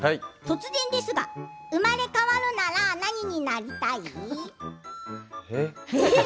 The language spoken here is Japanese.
突然ですが生まれ変わるなら何になりたい？え？